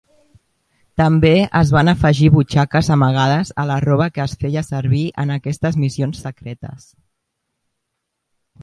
També es van afegir butxaques amagades a la roba que es feia servir en aquestes missions secretes.